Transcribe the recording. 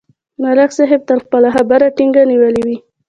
ملک صاحب تل خپله خبره ټینګه نیولې وي